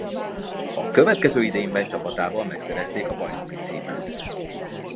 A következő idényben csapatával megszerezték a bajnoki címet.